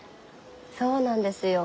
そうなんですよ。